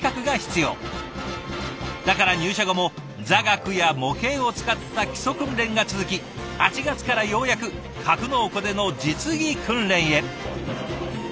だから入社後も座学や模型を使った基礎訓練が続き８月からようやく格納庫での実技訓練へ。